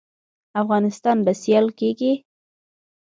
افغانستان به سیال کیږي؟